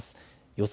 予想